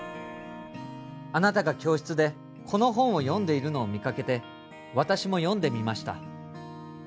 あなたが教室でこの本を読んでいるのを見かけて私も読んでみました